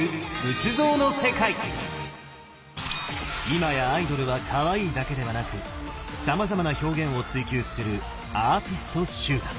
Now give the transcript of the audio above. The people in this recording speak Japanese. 今やアイドルはかわいいだけではなくさまざまな表現を追求するアーティスト集団！